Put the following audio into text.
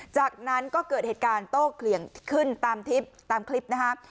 จากนั้นก็เกิดเหตุการณ์โต้เกลี่ยขึ้นตามคลิปนะฮะ